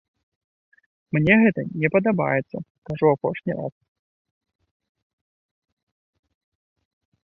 Мне гэта не падабаецца, кажу апошні раз.